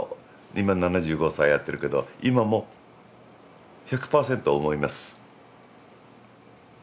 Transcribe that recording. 今７５歳やってるけど今も１００％思います。